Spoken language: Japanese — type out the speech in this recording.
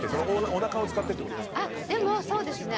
おなかを使ってってことですか。